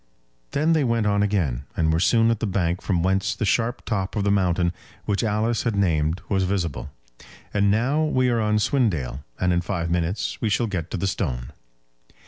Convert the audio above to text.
Then they went on again, and were soon at the bank from whence the sharp top of the mountain which Alice had named was visible. "And now we are on Swindale, and in five minutes we shall get to the stone."